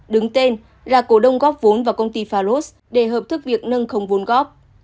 đứng tên là cổ đông góp vốn vào công ty faros để hợp thức việc nâng khống vốn góp